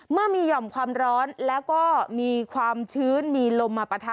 เมื่อมีหย่อมความร้อนแล้วก็มีความชื้นมีลมมาปะทะ